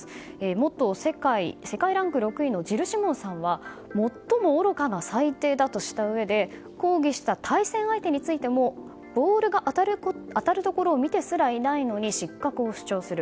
元世界ランク６位のジル・シモンさんは最も愚かな裁定だとしたうえで抗議した対戦相手についてもボールが当たるところを見てすらいないのに失格を主張する。